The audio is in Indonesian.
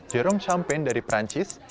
jerome champagne dari perancis